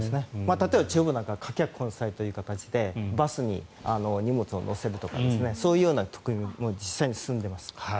例えば、地方なんかは貨客混載という形でバスに荷物を載せるとかそういう仕組みも実際に進んでいます。